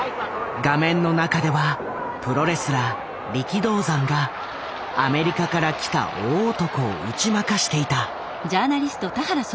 画面の中ではプロレスラー力道山がアメリカから来た大男を打ち負かしていた。